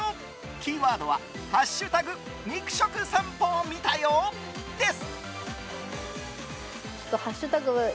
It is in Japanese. キーワードは「＃肉食さんぽ見たよ」です！